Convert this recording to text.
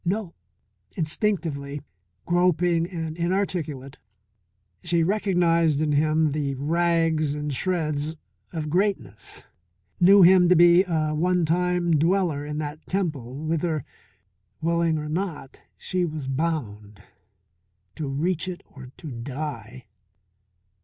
No. Instinctively, groping and inarticulate, she recognized in him the rags and shreds of greatness, knew him to be a one time dweller in that temple whither, willing or not, she was bound, to reach it or to die.